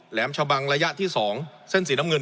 แหมชะบังระยะที่๒เส้นสีน้ำเงิน